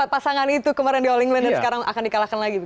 pasangan itu kemarin di all england dan sekarang akan dikalahkan lagi